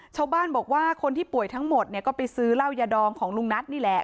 ชาวบ้านบอกว่าคนที่ป่วยทั้งหมดเนี่ยก็ไปซื้อเหล้ายาดองของลุงนัทนี่แหละ